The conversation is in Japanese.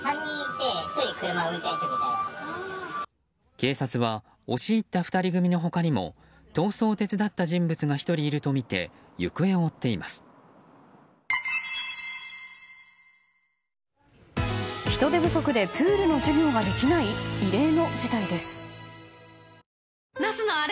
警察は押し入った２人組の他にも逃走を手伝った人物が１人いるとみてなすのアレ！